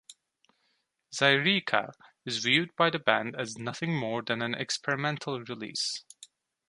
"Zaireeka" is viewed by the band as nothing more than an experimental release.